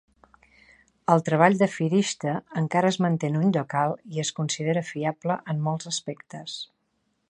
El treball de Firishta encara es manté en un lloc alt i es considera fiable en molts aspectes.